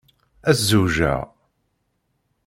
Ad zewjeɣ.